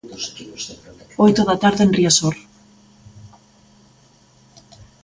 Oito da tarde en Riazor.